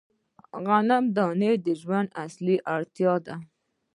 د غنمو دانه د ژوند اصلي اړتیا ده.